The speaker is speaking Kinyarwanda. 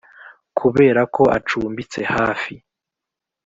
Kubera ko acumbitse hafi